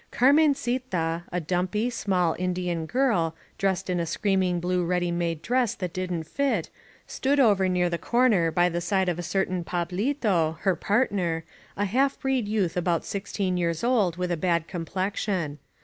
Carmencita, a dumpy, small Indian girl, dressed in a screaming blue ready made dress that didn't fit, stood over near the comer by the side of a certain PabUto, her partner, a half breed youth about sixteen years old with a bad complexion.